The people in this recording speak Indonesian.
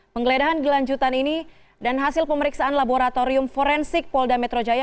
penggeledahan dilanjutan ini dan hasil pemeriksaan laboratorium forensik polda metro jaya